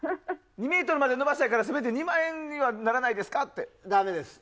２ｍまで伸ばしたいからせめて２万円にはならないですかって。